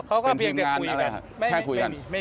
เป็นเพียงงานอะไรแค่คุยกัน